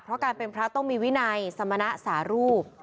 เพราะการเป็นพระต้องมีวินัยสมณะสารูป